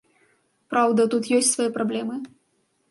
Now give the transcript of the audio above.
Праўда, тут ёсць свае праблемы.